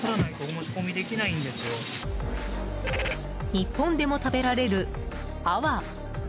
日本でも食べられる、アワ。